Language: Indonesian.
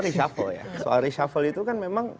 reshuffle ya soal reshuffle itu kan memang